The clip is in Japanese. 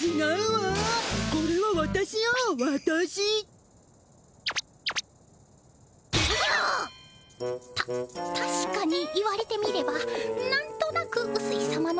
たしかに言われてみればなんとなくうすい様のような。